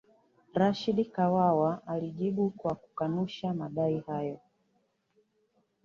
rashidi kawawa alijibu kwa kukanusha madai hayo